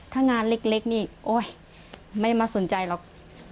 ถ้างานเล็กนี่โอ๊ยไม่มาสนใจหรอก